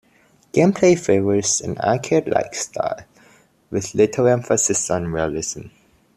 Gameplay favors an arcade-like style, with little emphasis on realism.